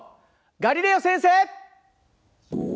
ガリレオ先生！